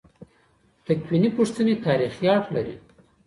تکویني پوښتنې تاریخي اړخ لري.